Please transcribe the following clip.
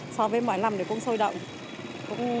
so với mọi năm này cũng sôi động